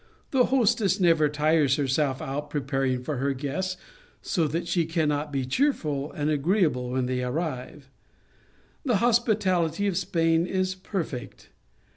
The hostess never tires herself out preparing for her guests so that she cannot be cheerful and agreeable when they arrive. The hospitality of Spain is perfect.